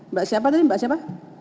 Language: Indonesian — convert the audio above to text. mbak siapa tadi mbak siapa